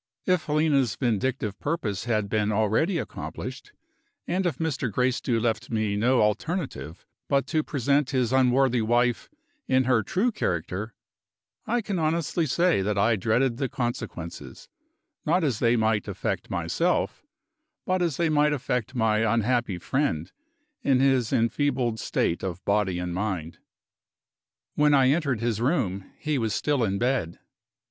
If Helena's vindictive purpose had been already accomplished and if Mr. Gracedieu left me no alternative but to present his unworthy wife in her true character I can honestly say that I dreaded the consequences, not as they might affect myself, but as they might affect my unhappy friend in his enfeebled state of body and mind. When I entered his room, he was still in bed.